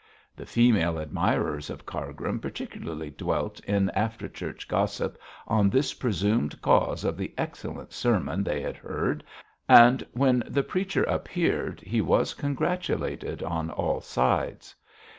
The female admirers of Cargrim particularly dwelt in after church gossip on this presumed cause of the excellent sermon they had heard, and when the preacher appeared he was congratulated on all sides.